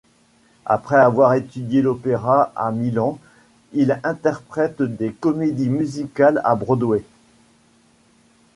Après avoir étudié l'opéra à Milan, il interprète des comédies musicales à Broadway.